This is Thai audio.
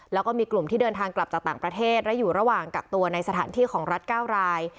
แล้วก็มีกลุ่มที่เดินทางกลับจากต่างประเทศและอยู่ระหว่างกักตัวในสถานที่ของรัฐ๙ราย